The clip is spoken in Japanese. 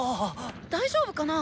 大丈夫かなぁ？